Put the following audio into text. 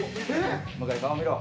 向井顔見ろ。